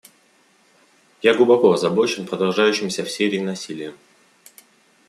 Я глубоко озабочен продолжающимся в Сирии насилием.